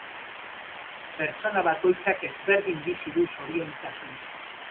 Pertsona bakoitzak ezberdin bizi du zoriontasuna.